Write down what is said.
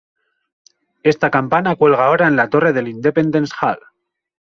Esta campana cuelga ahora en la torre del Independence Hall.